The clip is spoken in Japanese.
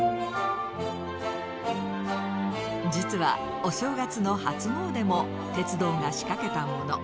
実はお正月の初詣も鉄道が仕掛けたもの。